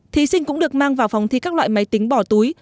thí sinh cũng được mang vào phòng thi các loại máy tính bỏ túi